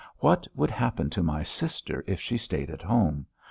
What would happen to my sister if she stayed at home?